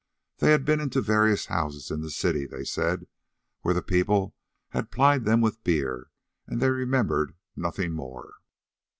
They had been into various houses in the city, they said, where the people had plied them with beer, and they remembered nothing more.